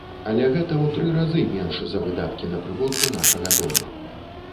Але гэта ў тры разы менш за выдаткі на прыборку нашага дома.